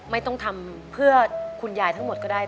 ไม่ต้องทำเพื่อคุณยายทั้งหมดก็ได้